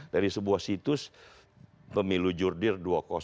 dari sebuah situs pemilu jurdir dua ribu sembilan belas